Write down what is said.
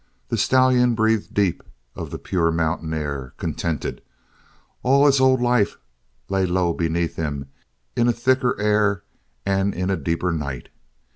The stallion breathed deep of the pure mountain air, contented. All his old life lay low beneath him in a thicker air and in a deeper night.